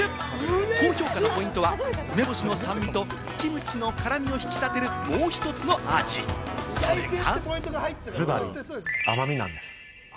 高評価のポイントは、梅干しの酸味とキムチの辛みを引き立てるもう１つの味、それが。